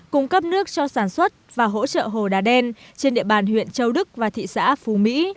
cung cấp nước cho sản xuất và hỗ trợ hồ đá đen trên địa bàn huyện châu đức và thị xã phú mỹ